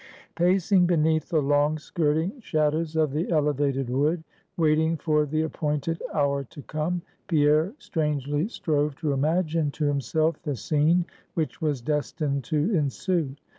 Pacing beneath the long skirting shadows of the elevated wood, waiting for the appointed hour to come, Pierre strangely strove to imagine to himself the scene which was destined to ensue.